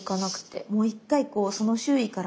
もう１回こうその周囲から。